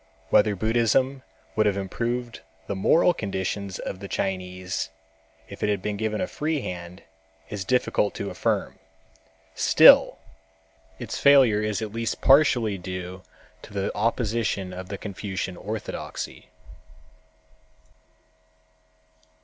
Whether Buddhism would have improved the moral conditions of the Chinese; if it had been given a free hand, is difficult to affirm. Still its failure is at least partly due to the opposition of Confucian orthodoxy.